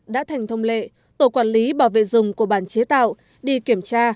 đã thành thông lệ tổ quản lý bảo vệ rừng của bàn chế tạo đi kiểm tra